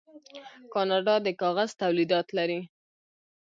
کاناډا د کاغذ تولیدات لري.